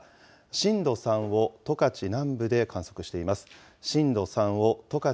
震度３を十勝南部で観測しています。